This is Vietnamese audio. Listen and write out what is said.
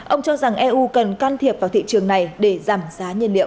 ông cho rằng eu cần can thiệp vào thị trường này để giảm giá nhiên liệu